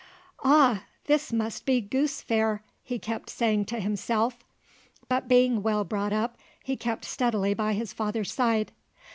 "`Ah, this must be Goose Fair!' he kept saying to himself; but being well brought up, he kept steadily by his father's side.